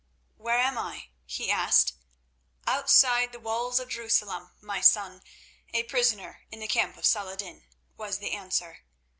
"Where am I?" he asked. "Outside the walls of Jerusalem, my son, a prisoner in the camp of Saladin," was the answer.